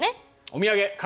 お土産柿！